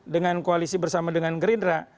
dengan koalisi bersama dengan gerindra